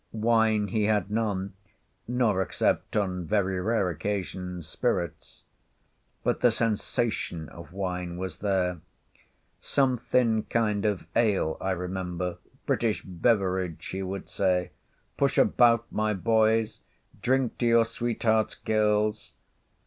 Wine he had none; nor, except on very rare occasions, spirits; but the sensation of wine was there. Some thin kind of ale I remember—"British beverage," he would say! "Push about, my boys;" "Drink to your sweethearts, girls."